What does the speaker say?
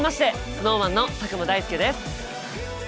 ＳｎｏｗＭａｎの佐久間大介です。